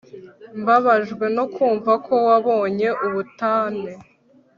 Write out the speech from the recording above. mbabajwe no kumva ko wabonye ubutane